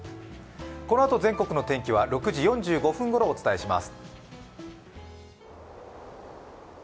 この後全国の天気は６時４５分ごろ伝えします。